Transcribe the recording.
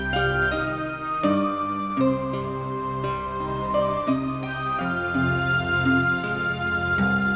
sekali lagi ya